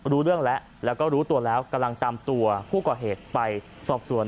รู้เรื่องแล้วแล้วก็รู้ตัวแล้วกำลังตามตัวผู้ก่อเหตุไปสอบสวน